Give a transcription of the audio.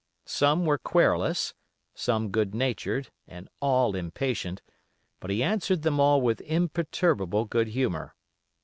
Some were querulous, some good natured, and all impatient, but he answered them all with imperturbable good humor.